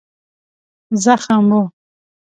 زخم و.